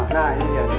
nah ini dia